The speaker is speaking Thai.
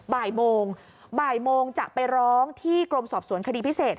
บ่ายโมงบ่ายโมงจะไปร้องที่กรมสอบสวนคดีพิเศษ